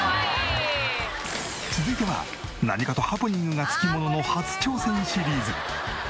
続いては何かとハプニングがつきものの初挑戦シリーズ。